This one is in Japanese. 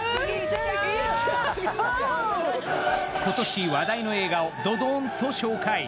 今年話題の映画をドドーンと紹介！